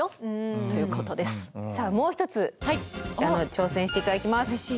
さあもう一つ挑戦していただきます。